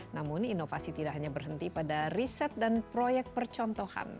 namun inovasi tidak hanya berhenti pada riset dan proyek percontohan